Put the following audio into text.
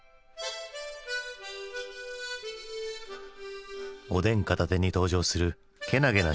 おでん片手に登場するけなげな少年チビ太。